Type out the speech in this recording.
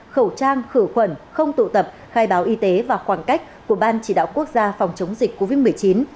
khẩu trang khử khuẩn không tụ tập khai báo y tế và khoảng cách của ban chỉ đạo quốc gia phòng chống dịch covid một mươi chín